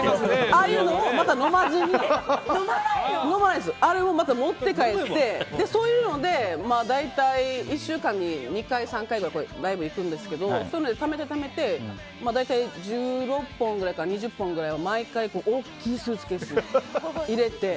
ああいうのをまた飲まずに持って帰ってそういうので大体１週間に２回３回ぐらいライブに行くんですけどためてためて大体１６本ぐらいから２０本ぐらいは毎回大きいスーツケースに入れて。